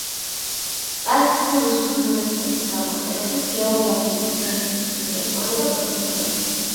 სტრასბურის უნივერსიტეტის გამოყენებითი გეოგრაფიის ცენტრის დირექტორი და პროფესორი.